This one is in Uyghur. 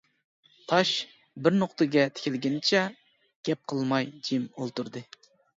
تاش بىر نۇقتىغا تىكىلگىنىچە گەپ قىلماي جىم ئولتۇردى.